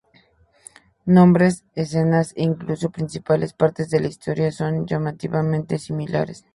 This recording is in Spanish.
Nombres, escenas, e incluso principales partes de la historia, son llamativamente similares.